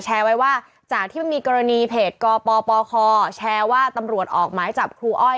ไว้ว่าจากที่มันมีกรณีเพจกปปคแชร์ว่าตำรวจออกหมายจับครูอ้อย